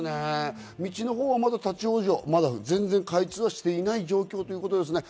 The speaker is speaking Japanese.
道の方はまだ立ち往生、まだ全然開通していない状況ということですね。